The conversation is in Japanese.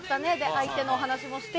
相手の話もして。